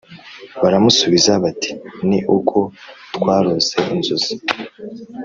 Baramusubiza bati Ni uko twarose inzozi